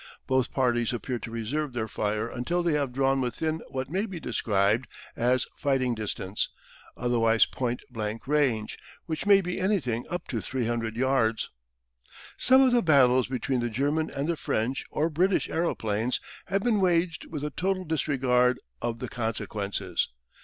Both parties appear to reserve their fire until they have drawn within what may be described as fighting distance, otherwise point blank range, which may be anything up to 300 yards. Some of the battles between the German and the French or British aeroplanes have been waged with a total disregard of the consequences.